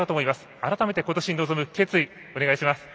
改めて、ことし臨む決意お願いします。